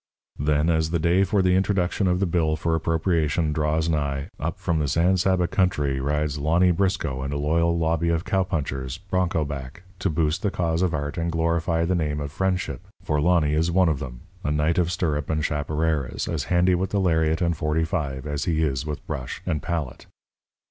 Then, as the day for the introduction of the bill for appropriation draws nigh, up from the San Saba country rides Lonny Briscoe and a loyal lobby of cowpunchers, bronco back, to boost the cause of art and glorify the name of friendship, for Lonny is one of them, a knight of stirrup and chaparreras, as handy with the lariat and .45 as he is with brush and palette.